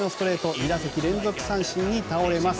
２打席連続三振に倒れます。